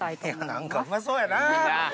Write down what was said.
何かうまそうやな！